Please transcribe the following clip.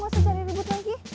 gausah cari ribut lagi